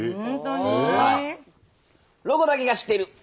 「ロコだけが知っている」。